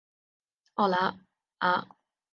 奥拉阿。